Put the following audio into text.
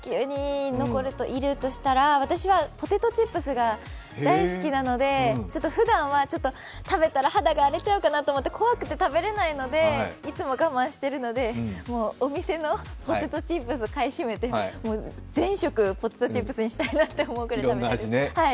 私はポテトチップスが大好きなので、ふだんは食べたら肌が荒れちゃうかなと思って怖くて食べられないので、いつも我慢しているので、お店のポテトチップス買い占めて全食ポテトチップスにしたいくらい食べたいです。